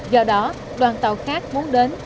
do đó đoàn tàu khác muốn đến